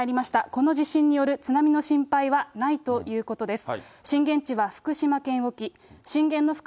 この地震による津波の心配はないということです。